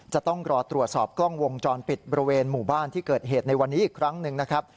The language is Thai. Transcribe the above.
จะต้องรอตรวจสอบกล้องวงจรปิดบริเวณหมู่บ้านที่เกิดเหตุในวันนี้อีกครั้งหนึ่งนะครับ